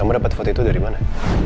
kamu dapat foto itu dari mana